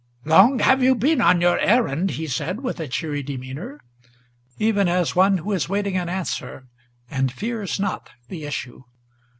"Long have you been on your errand," he said with a cheery demeanor, Even as one who is waiting an answer, and fears not the issue.